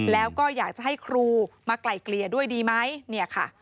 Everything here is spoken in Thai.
แล้วก็อยากจะให้ครูมาไกล่เกลี่ยด้วยดีไหมเนี่ยค่ะ